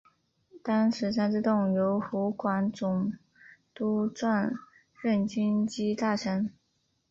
当时张之洞由湖广总督转任军机大臣。